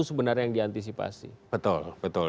sebenarnya yang diantisipasi betul